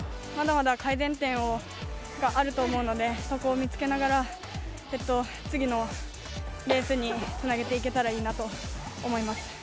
まだまだ改善点があると思うので、そこを見つけながら、次のレースにつなげていけたらいいなと思います。